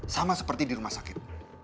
sama seperti di rumah sakit